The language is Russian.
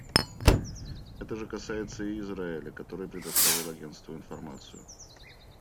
Это же касается и Израиля, который предоставил Агентству информацию.